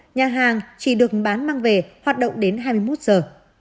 nhà hàng chỉ được bán mang về hoạt động đến hai mươi một giờ